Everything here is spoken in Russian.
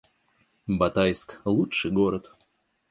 Батайск — лучший город